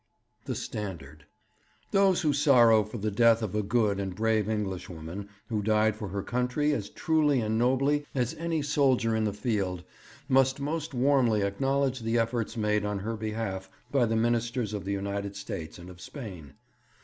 The Standard. 'Those who sorrow for the death of a good and brave Englishwoman who died for her country as truly and nobly as any soldier in the field must most warmly acknowledge the efforts made on her behalf by the Ministers of the United States and of Spain.